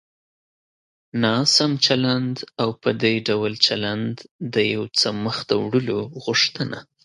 ناسم چلند او په دې ډول چلند د يو څه مخته وړلو غوښتنه.